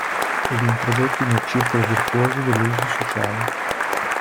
Ed introdotti nel circolo virtuoso dell'uso sociale.